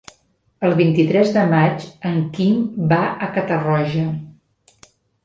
El vint-i-tres de maig en Quim va a Catarroja.